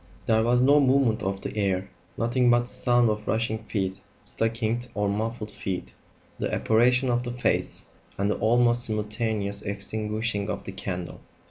There was no movement of the air; nothing but the sound of rushing feet stockinged or muffled feet; the apparition of the face; and the almost simultaneous extinguishing of the candle.